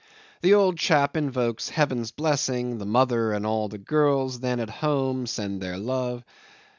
The old chap invokes Heaven's blessing; the mother and all the girls then at home send their love.